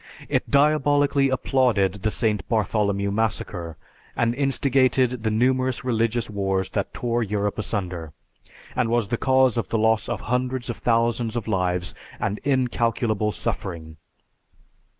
It diabolically applauded the St. Bartholomew Massacre, and instigated the numerous religious wars that tore Europe asunder, and was the cause of the loss of hundreds of thousands of lives and incalculable suffering.